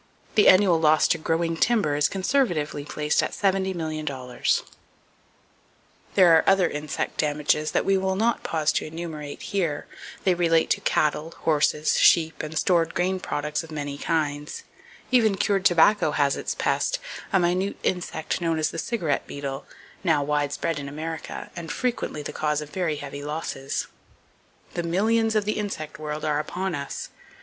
The annual loss to growing timber is conservatively placed at $70,000,000." THE GYPSY MOTH, (Portheria dispar) Very Destructive to the Finest Shade Trees [Page 212] There are other insect damages that we will not pause to enumerate here. They relate to cattle, horses, sheep and stored grain products of many kinds. Even cured tobacco has its pest, a minute insect known as the cigarette beetle, now widespread in America and "frequently the cause of very heavy losses." The millions of the insect world are upon us.